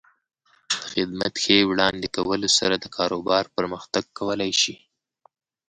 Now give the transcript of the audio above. د خدمت ښې وړاندې کولو سره د کاروبار پرمختګ کولی شي.